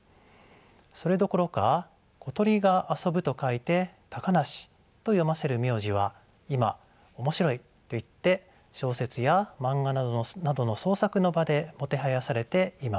それどころか小鳥が遊ぶと書いて「たかなし」と読ませる名字は今面白いといって小説や漫画などの創作の場でもてはやされています。